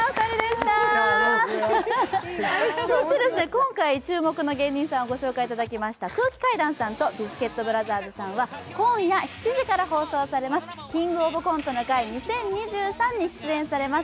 今回注目の芸人さんを紹介いただきました空気階段さんとビスケットブラザーズさんは今夜７時から放送されます「キングオブコントの会２０２３」に出演されます。